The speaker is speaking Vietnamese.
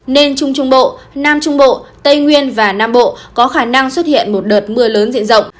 nên trung trung bộ nam trung bộ tây nguyên và nam bộ có khả năng xuất hiện một đợt mưa lớn diện rộng